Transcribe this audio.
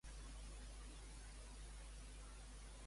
Per què Clodi li tenia animadversió a Ptolemeu?